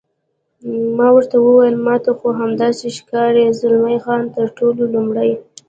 ما ورته وویل: ما ته خو همداسې ښکاري، زلمی خان: تر ټولو لومړی.